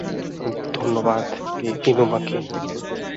ধন্যবাদ, ইনুমাকি।